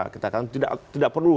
kita tidak perlu